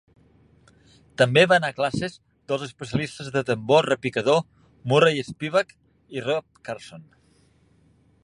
També va anar a classes dels especialistes de tambor repicador Murray Spivack i Rob Carson.